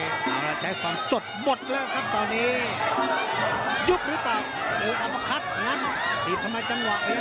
เอาล่ะใช้ความสดบทแล้วครับตอนนี้ยุบหลุดไปเอออัฟคัทงั้นผีทำไมจังหวะ